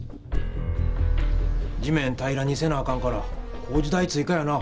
地面平らにせなあかんから工事代追かやな！